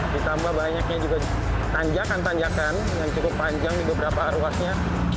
ditambah banyaknya juga tanjakan tanjakan yang cukup panjang di beberapa ruasnya